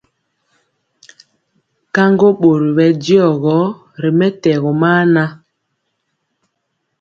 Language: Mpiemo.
Kaŋgo bori bɛ diɔgɔ ri mɛtɛgɔ maa nan.